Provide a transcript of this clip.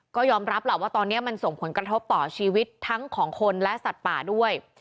ก็ยอมรับล่ะว่าตอนนี้มันส่งผลกระทบต่อชีวิตทั้งของคนและสัตว์ป่าด้วย